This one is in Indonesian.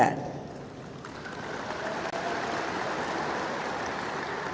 bayangkan jika peralatan mekanisasi pertanian seperti traktor mesin untuk menanam dan panen mesin pengering gabah dan lain lain